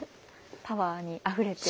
パワーにあふれて。